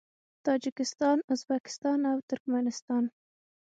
تاجکستان، ازبکستان او ترکمنستان